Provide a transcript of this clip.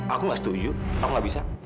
aku gak setuju aku gak bisa